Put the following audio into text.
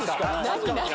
何？